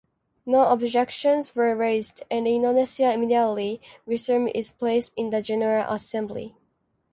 No objections were raised, and Indonesia immediately resumed its place in the General Assembly.